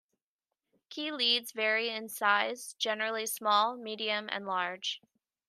Key leads vary in size, generally small, medium, and large.